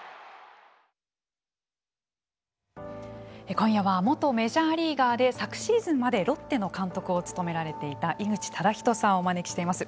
今夜は元メジャーリーガーで昨シーズンまでロッテの監督を務められていた井口資仁さんをお招きしています。